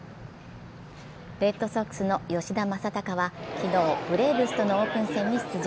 レッドソックスの吉田正尚は昨日、ブレーブスとのオープン戦に出場。